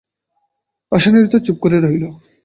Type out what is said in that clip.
আশা নিরুত্তরে চুপ করিয়া রহিল।